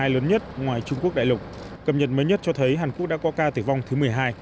lớn nhất ngoài trung quốc đại lục cập nhật mới nhất cho thấy hàn quốc đã có ca tử vong thứ một mươi hai